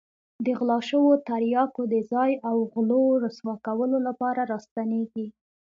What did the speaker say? د غلا شوو تریاکو د ځای او غلو رسوا کولو لپاره را ستنېږي.